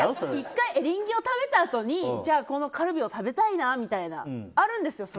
１回エリンギを食べたあとにこのカルビを食べたいなみたいなのあるんです。